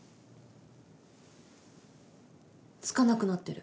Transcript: つかなくなってる。